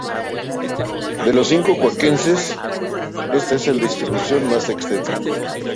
De los cinco cauquenes, este es el de distribución más extensa.